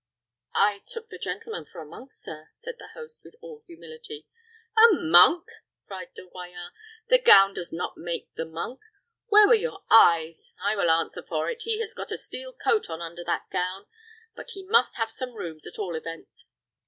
"I took the gentleman for a monk, sir," said the host, with all humility. "A monk!" cried De Royans. "The gown does not make the monk. Where were your eyes? I will answer for it, he has got a steel coat on under that gown. But he must have some rooms, at all events."